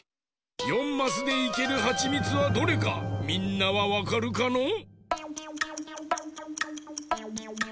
４マスでいけるはちみつはどれかみんなはわかるかのう？